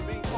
lo bener ya